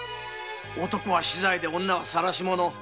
男は死罪で女は「晒し者」